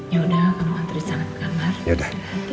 ya udah aku nganterin sana ke kamar